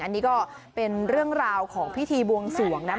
อันนี้ก็เป็นเรื่องราวของพิธีบวงสวงนะคะ